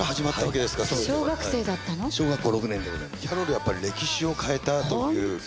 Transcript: やっぱり歴史を変えたという。